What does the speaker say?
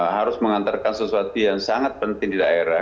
harus mengantarkan sesuatu yang sangat penting di daerah